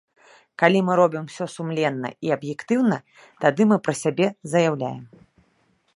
Калі мы робім усё сумленна і аб'ектыўна, тады мы пра сябе заяўляем.